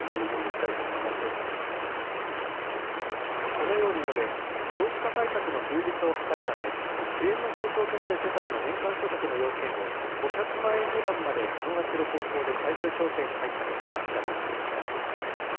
このように述べ少子化対策の充実を図るため支援の対象となる世帯の年間所得の要件を５００万円未満まで緩和する方向で最終調整に入ったことを明らかにしました。